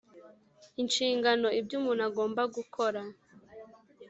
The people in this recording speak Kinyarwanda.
inshingano: ibyo umuntu agomba gukora